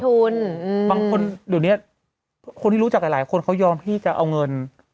บางคนเดี๋ยวนี้คนที่รู้จักหลายคนเขายอมที่จะเอาเงิน